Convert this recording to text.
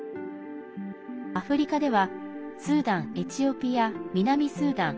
アフリカでは、スーダンエチオピア、南スーダン